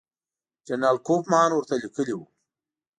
جنرال کوفمان ورته لیکلي وو.